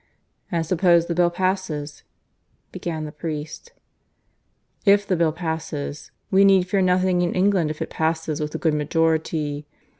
"And suppose the Bill passes?" began the priest. "If the Bill passes, we need fear nothing in England if it passes with a good majority.